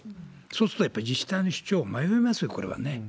そうするとやっぱり自治体の首長、迷いますよ、これはね。